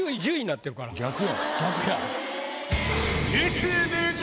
逆や。